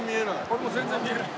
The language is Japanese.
俺も全然見えない。